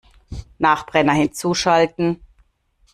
Nachbrenner hinzuschalten!